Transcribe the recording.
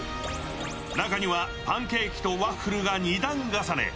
中にはパンケーキとワッフルが２段重ね。